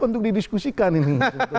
untuk didiskusikan ini